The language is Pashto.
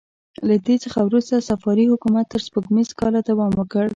له دې څخه وروسته صفاري حکومت تر سپوږمیز کاله دوام وکړ.